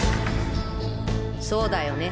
そうだよね？